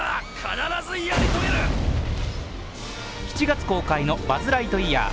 ７月公開の「バズ・ライトイヤー」。